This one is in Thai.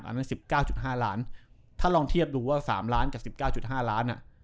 นั่น๑๙๕ล้านถ้าลองเทียบดูว่า๓ล้านกับ๑๙๕ล้าน